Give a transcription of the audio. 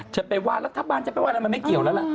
จะไปวาดแล้วถ้าบ้านจะไปวาดแล้วมันไม่เกี่ยวแล้ว